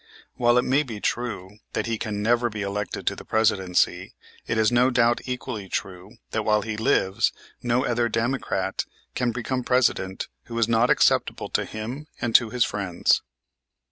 While it may be true that he can never be elected to the Presidency, it is no doubt equally true that while he lives no other Democrat can become President who is not acceptable to him and to his friends.